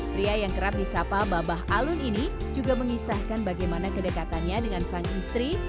pria yang kerap disapa babah alun ini juga mengisahkan bagaimana kedekatannya dengan sang istri